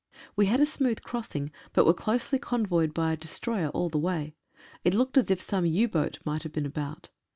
We had a smooth crossing, but were closely convoyed by a destroyer all the way. It looked as if some U boat might have been about.